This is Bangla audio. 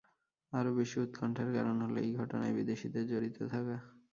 আরও বেশি উৎকণ্ঠার কারণ হলো, এই ঘটনায় বিদেশিদের জড়িত থাকা।